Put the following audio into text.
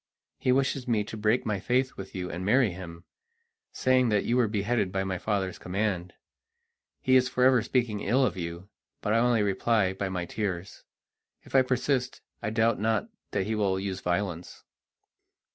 He wishes me to break my faith with you and marry him, saying that you were beheaded by my father's command. He is forever speaking ill of you, but I only reply by my tears. If I persist, I doubt not that he will use violence."